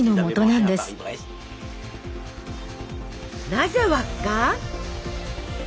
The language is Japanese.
なぜ輪っか？